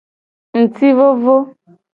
Ngti vovo.